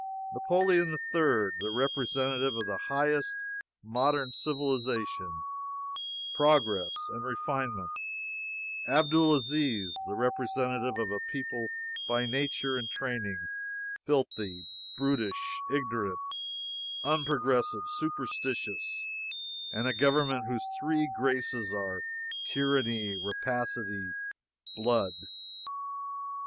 Napoleon III, the representative of the highest modern civilization, progress, and refinement; Abdul Aziz, the representative of a people by nature and training filthy, brutish, ignorant, unprogressive, superstitious and a government whose Three Graces are Tyranny, Rapacity, Blood.